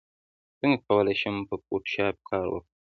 څنګه کولی شم په فوټوشاپ کار وکړم